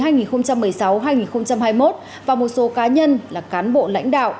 giai đoạn hai nghìn một mươi sáu hai nghìn hai mươi một và một số cá nhân là cán bộ lãnh đạo